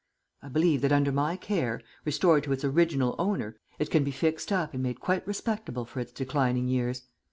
I believe that under my care, restored to its original owner, it can be fixed up and made quite respectable for its declining years.